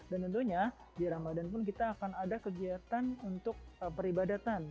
dan tentunya di ramadhan pun kita akan ada kegiatan untuk peribadatan